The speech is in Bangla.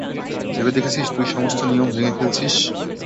ভেবে দেখেছিস তুই সমস্ত নিয়ম ভেঙে ফেলছিস?